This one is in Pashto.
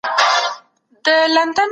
تاسو به د رښتینې خوښۍ په مانا پوه سئ.